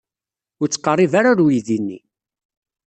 Ur ttqerrib ara ɣer uydi-nni.